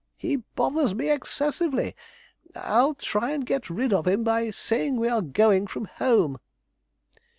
'He bothers me excessively I'll try and get rid of him by saying we are going from home.'